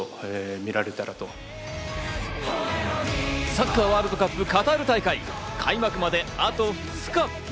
サッカーワールドカップ、カタール大会開幕まであと２日。